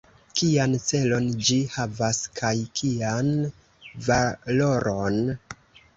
Kian celon ĝi havas, kaj kian valoron?